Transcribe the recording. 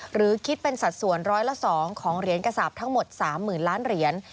หรือคิดเป็นสัดส่วนร้อยละ๒ของเหรียญกษาปทั้งหมด๓๐๐๐ล้านเหรียญ